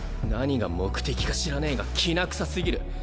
何が目的か知らねぇがきな臭すぎる。